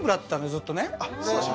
ずっとね。